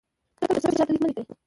کله چې غوسه وئ چاته لیک مه لیکئ.